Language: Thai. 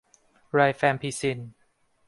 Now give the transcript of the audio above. ไรแฟมพิซิน